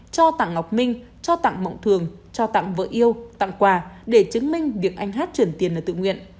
cho tặng ngọc minh cho tặng mộng thường trao tặng vợ yêu tặng quà để chứng minh việc anh hát chuyển tiền ở tự nguyện